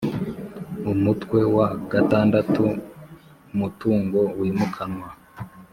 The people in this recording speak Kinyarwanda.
Umutwe wa vi umutungo wimukantwa